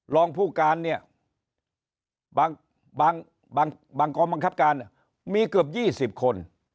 ลองพู่การเนี่ยบางกรมกับการมีเกือบ๒๐คน